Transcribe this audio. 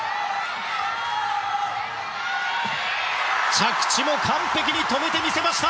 着地も完璧に止めてみせました。